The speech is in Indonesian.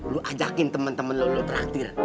lu ajakin temen temen lu terakhir